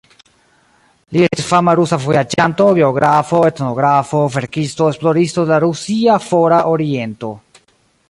Li estis fama rusa vojaĝanto, geografo, etnografo, verkisto, esploristo de la rusia Fora Oriento.